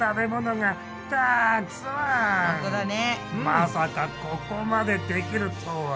まさかここまでできるとは！